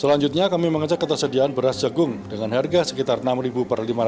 selanjutnya kami mengecek ketersediaan beras jagung dengan harga sekitar rp enam per lima ratus